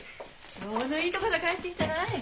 ちょうどいいとこさ帰ってきたない。